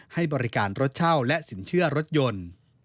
ให้บริการรถเช่าและสินเชื่อรถยนต์